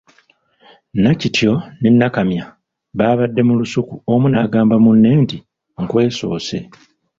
Nakityo ne Nakamya baabadde mu lusuku omu n'agamba munne nti ‘nkwesoose'.